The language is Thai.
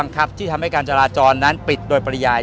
ครับที่ทำให้การจราจรนั้นปิดโดยปริยาย